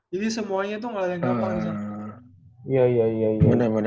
jadi semuanya tuh gak ada yang gampang disana